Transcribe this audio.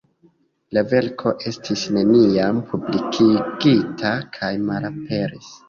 La verko estis neniam publikigita kaj malaperis.